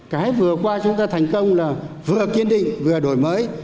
cái vừa qua chúng ta thành công là vừa kiên định vừa đổi mới